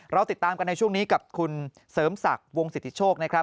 เราติดตามกันในช่วงนี้กับคุณเสริมศักดิ์วงสิทธิโชคนะครับ